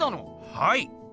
はい。